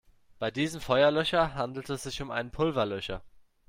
Bei diesem Feuerlöscher handelt es sich um einen Pulverlöscher.